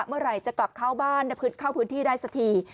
เมื่อไหร่จะกลับเข้าบ้านเข้าพื้นที่ได้สักที